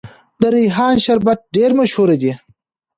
د ریحان شربت ډیر مشهور دی.